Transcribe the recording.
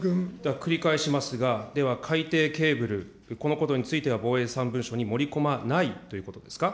繰り返しますが、では海底ケーブル、このことについては、防衛３文書に盛り込まないということですか。